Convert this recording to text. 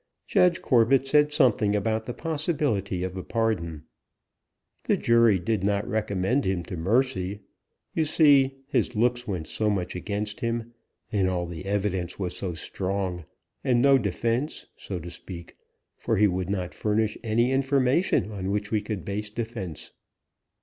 "Judge Corbet said something about the possibility of a pardon. The jury did not recommend him to mercy: you see, his looks went so much against him, and all the evidence was so strong, and no defence, so to speak, for he would not furnish any information on which we could base defence.